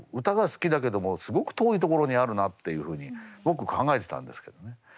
歌が好きだけどもすごく遠いところにあるなというふうに僕考えてたんですけどね。